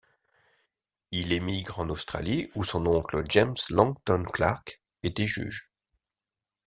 Il émigre en Australie, où son oncle, James Langton Clarke, était juge.